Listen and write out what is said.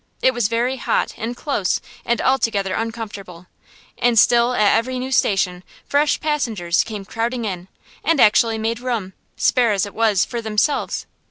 It was very hot and close and altogether uncomfortable, and still at every new station fresh passengers came crowding in, and actually made room, spare as it was, for themselves.